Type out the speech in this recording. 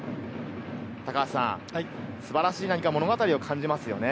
高橋さん、素晴らしい物語を感じますね。